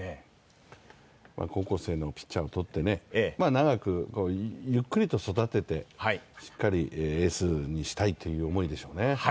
高校生のピッチャーを取って、長くゆっくりと育ててしっかりエースにしたいという思いでしょうね。